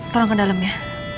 tolong ke dalam ya